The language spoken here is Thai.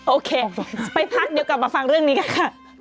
โอเคไปพักเดี๋ยวกลับมาฟังเรื่องนี้กันค่ะ